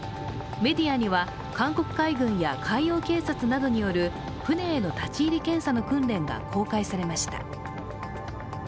メディアには韓国海軍や海洋警察などによる船への立ち入り検査の訓練が公開されました。